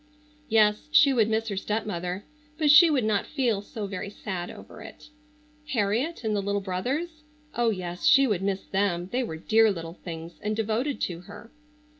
Yes, she would miss her stepmother, but she would not feel so very sad over it. Harriet and the little brothers? Oh, yes, she would miss them, they were dear little things and devoted to her.